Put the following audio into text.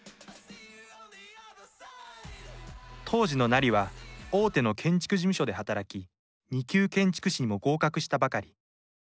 当時のなりは大手の建築事務所で働き２級建築士にも合格したばかり。